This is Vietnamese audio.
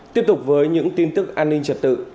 tiếp tục với những tin tức an ninh trật tự